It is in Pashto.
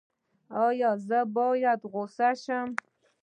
ایا زه باید غوسه شم؟